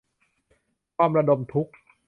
ความระทมทุกข์